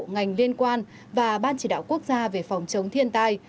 ngành liên quan và ban chỉ đạo quốc gia về phòng chống thiên tai